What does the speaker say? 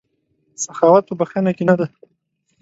سخاوت په بښنه کې نه دی.